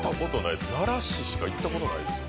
奈良市しか行ったことないです。